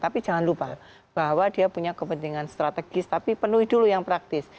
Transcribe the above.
tapi jangan lupa bahwa dia punya kepentingan strategis tapi penuhi dulu yang praktis